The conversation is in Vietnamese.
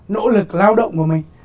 nỗ lực lao động của mình